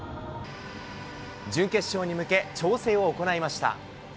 準決勝に向け、調整を行いました。